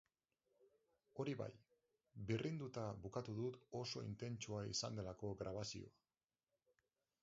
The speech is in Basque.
Hori bai, birrinduta bukatu dut oso intentsua izan delako grabazioa.